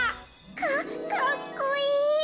かかっこいい。